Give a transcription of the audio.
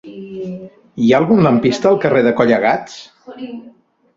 Hi ha algun lampista al carrer de Collegats?